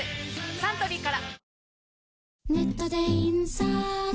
サントリーから